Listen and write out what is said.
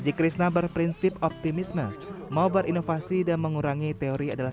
jika krisna berprinsip optimisme mau berinovasi dan mengurangi teori adalah